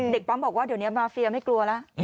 เด็กป๊าบอกว่าเดี๋ยวนี้มาร์ฟรีเราไม่กลัวแล้ว